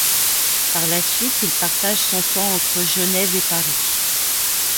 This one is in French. Par la suite il partage son temps entre Genève et Paris.